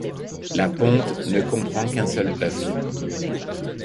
La ponte ne comprend qu'un seul œuf.